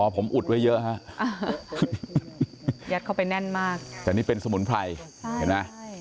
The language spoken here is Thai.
ผมอุดไว้เยอะฮะยัดเข้าไปแน่นมากแต่นี่เป็นสมุนไพรเห็นไหม